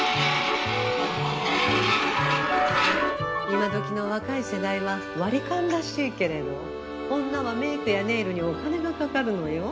今どきの若い世代は割り勘らしいけれど女はメークやネイルにお金がかかるのよ。